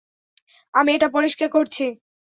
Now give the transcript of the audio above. আমি এটা পরিষ্কার করছি।